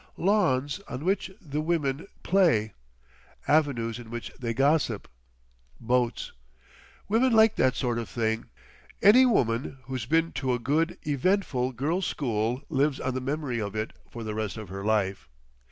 Lawns on which the women play, avenues in which they gossip, boats.... Women like that sort of thing. Any woman who's been to a good eventful girls' school lives on the memory of it for the rest of her life.